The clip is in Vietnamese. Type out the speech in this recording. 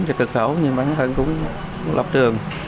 sự cực khổ nhưng bản thân cũng lập trường